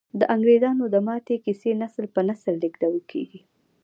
د انګریزامو د ماتې کیسې نسل په نسل لیږدول کیږي.